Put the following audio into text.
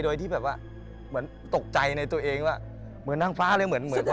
โดยที่ตกใจในตัวเองเหมือนนางฟ้าเลยเหมือนคนบ้า